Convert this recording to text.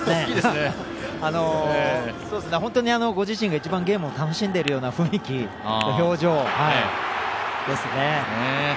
本当にご自身が一番、ゲームを楽しんでいるような雰囲気、表情ですね。